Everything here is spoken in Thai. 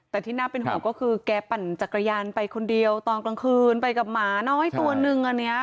แต่ที่น่าเป็นห่วงก็คือแกปั่นจักรยานไปคนเดียวตอนกลางคืนไปกับหมาน้อยตัวนึงอันนี้